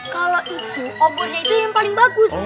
kalau itu obornya itu yang paling bagus